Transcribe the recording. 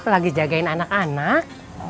lagi jagain anak anak